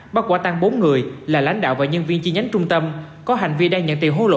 bắt quả tăng bốn người là lãnh đạo và nhân viên chi nhánh trung tâm có hành vi đang nhận tiền hối lộ